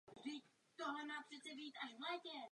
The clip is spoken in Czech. Absolvoval technické vzdělání.